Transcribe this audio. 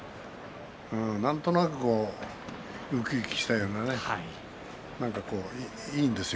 なんとなく、うきうきしたような何かいいんですよ